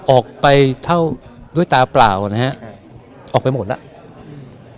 ออกไปเท่าด้วยตาปล่าวก็อีกแล้ว